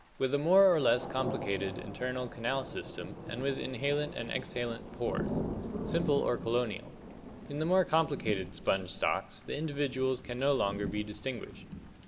With a more or less complicated internal canal system and with inhalent and exhalent pores. Simple or colonial. In the more complicated sponge stocks the individuals can no longer be distinguished.